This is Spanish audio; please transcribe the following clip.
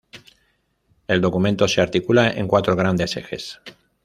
El documento se articula en cuatro grandes ejes.